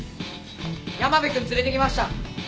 山辺君連れてきました！